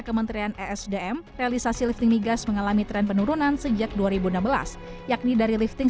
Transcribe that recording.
kementerian esdm realisasi lifting migas mengalami tren penurunan sejak dua ribu enam belas yakni dari lifting